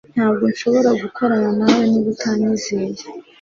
Ntabwo nshobora gukorana nawe niba utanyizeye